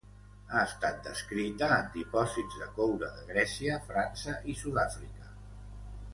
Ha estat descrita en dipòsits de coure de Grècia, França i Sud-àfrica.